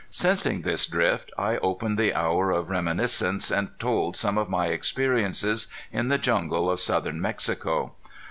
Sensing this drift I opened the hour of reminiscence and told some of my experiences in the jungle of southern Mexico.